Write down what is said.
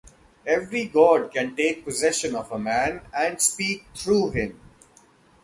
Every god can take possession of a man and speak through him.